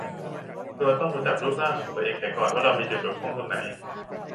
โดยต้องรู้จักรูปร่างของตัวเองเสียก่อนว่าเรามีจุดบกพร่องตรงไหน